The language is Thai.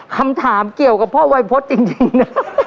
คำถามเกี่ยวกับพ่อวัยพฤษจริงนะ